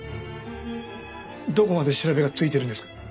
どこまで調べがついてるんですか？